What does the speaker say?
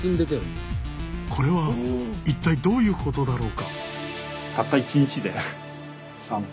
これは一体どういうことだろうか。